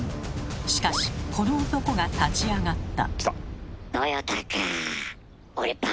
しかしこの男が立ち上がった！